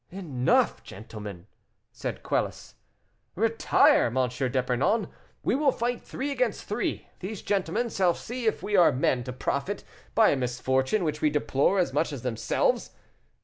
"Enough, gentlemen!" said Quelus. "Retire, M. d'Epernon! we will fight three against three. These gentlemen shall see if we are men to profit by a misfortune which we deplore as much as themselves.